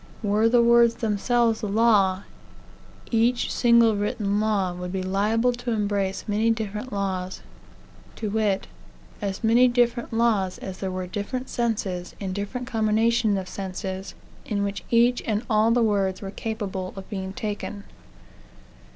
Were the words themselves the law, each single written law would be liable to embrace many different laws, to wit, as many different laws as there were different senses, and different combinations of senses, in which each and all the words were capable of being taken.